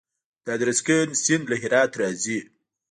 د ادرسکن سیند له هرات راځي